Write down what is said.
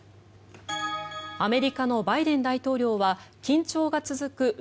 アメリカのバイデン大統領は緊張が続く